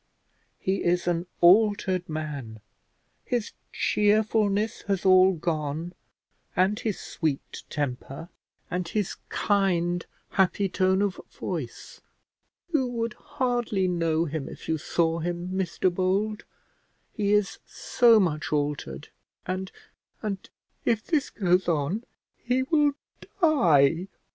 He is an altered man; his cheerfulness has all gone, and his sweet temper, and his kind happy tone of voice; you would hardly know him if you saw him, Mr Bold, he is so much altered; and and if this goes on, he will die."